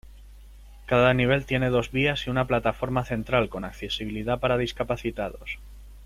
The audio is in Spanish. Cada nivel tiene dos vías y una plataforma central, con accesibilidad para discapacitados.